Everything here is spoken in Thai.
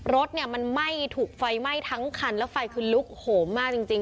รถเนี่ยมันไหม้ถูกไฟไหม้ทั้งคันแล้วไฟคือลุกโหมมากจริง